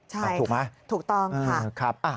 ใช่ค่ะถูกต้องค่ะ